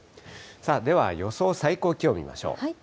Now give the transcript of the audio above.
では予想最高気温見ましょう。